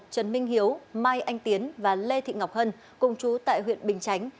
trần minh hiếu mai anh tiến và lê thị ngọc hân cùng chú tại huyện bình chánh